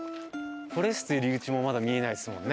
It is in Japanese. フォレスト入口もまだ見えないですもんね。